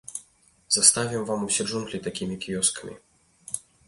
Заставім вам усе джунглі такімі кіёскамі.